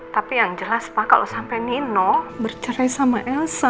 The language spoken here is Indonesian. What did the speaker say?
tapi yang jelas pak kalau sampai nino bercerai sama elsa